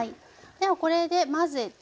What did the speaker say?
ではこれで混ぜて。